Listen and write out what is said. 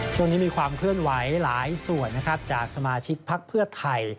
ช่วงนี้มีความเคลื่อนไหวหลายส่วนนะครับจากสมาชิกพักเพื่อไทย